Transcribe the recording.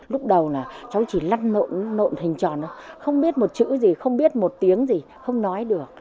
lúc đầu là cháu chỉ lăn nộn nộn hình tròn thôi không biết một chữ gì không biết một tiếng gì không nói được